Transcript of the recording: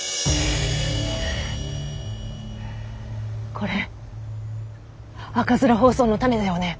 これ赤面疱瘡のたねだよね？